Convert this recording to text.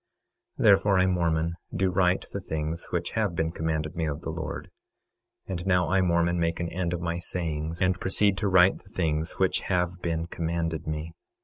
26:12 Therefore I, Mormon, do write the things which have been commanded me of the Lord. And now I, Mormon, make an end of my sayings, and proceed to write the things which have been commanded me.